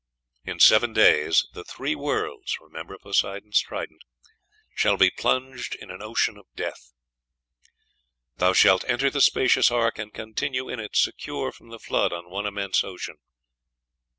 In seven days the three worlds" (remember Poseidon's trident) "shall be plunged in an ocean of death."... "'Thou shalt enter the spacious ark, and continue in it secure from the Flood on one immense ocean.'...